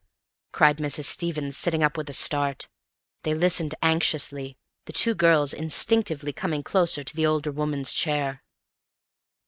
cried Mrs. Stevens, sitting up with a start. They listened anxiously, the two girls instinctively coming closer to the older woman's chair.